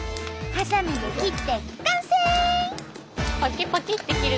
はさみで切って完成！